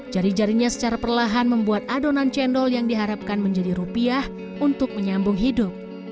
jari jarinya secara perlahan membuat adonan cendol yang diharapkan menjadi rupiah untuk menyambung hidup